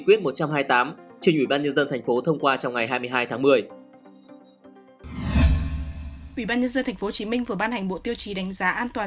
ủy ban nhân dân thành phố hồ chí minh vừa ban hành bộ tiêu chí đánh giá an toàn